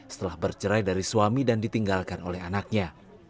setelah bercerai dari suami dan ditinggalkan oleh anaknya